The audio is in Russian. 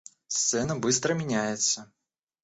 Сцена быстро меняется.